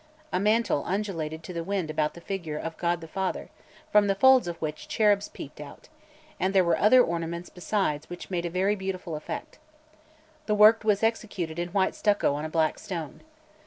A mantle undulated to the wind around the figure of the Father, from the folds of which cherubs peeped out; and there were other ornaments besides which made a very beautiful effect. The work was executed in white stucco on a black stone.